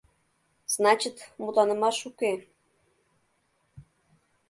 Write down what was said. — Значит, мутланымаш уке.